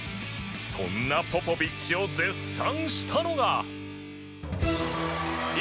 そんなポポビッチを絶賛したのが。